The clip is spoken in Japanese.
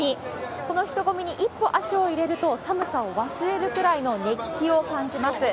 この人混みに一歩足を入れると、寒さを忘れるくらいの熱気を感じます。